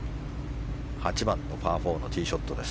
８番、パー４のティーショットです。